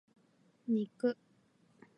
肉